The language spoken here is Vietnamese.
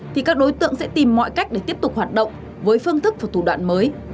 thì các đối tượng sẽ tìm mọi cách để tiếp tục hoạt động với phương thức và thủ đoạn mới